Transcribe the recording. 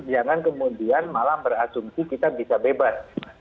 jangan kemudian malah berasumsi kita bisa bebas